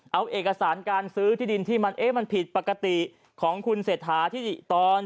เอาเอกสารการซื้อที่ดินที่มันผิดปกติของคุณเศรษฐาที่ตอน